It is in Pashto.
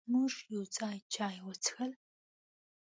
مونږ یو ځای چای وڅښل.